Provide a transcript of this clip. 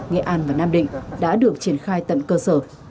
nghệ an và nam định đã được triển khai tận cơ sở